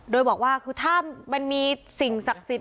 โดยบอกว่าคือถ้ามันมีสิ่งศักดิ์สิทธิ